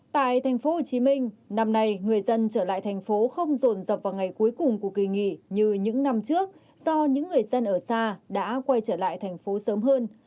tại thành phố hồ chí minh năm nay người dân trở lại thành phố không rộn rập vào ngày cuối cùng của kỳ nghỉ như những năm trước do những người dân ở xa đã quay trở lại thành phố sớm hơn